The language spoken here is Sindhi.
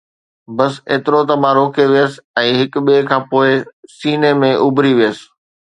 بس ايترو ته مان روڪي ويس ۽ هڪ ٻئي کان پوءِ سيني ۾ اُڀري ويس